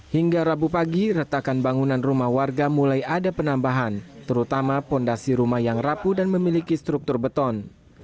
hingga rabu pagi retakan bangunan rumah warga mulai ada penambahan terutama fondasi rumah yang rapuh dan memiliki struktur beton